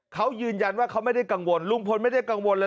เขายืนยันว่าเขาไม่ได้กังวลลุงพลไม่ได้กังวลเลย